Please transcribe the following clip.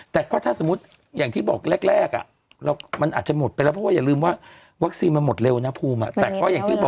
แต่ทีนี้แหละฉีดมาเกินไป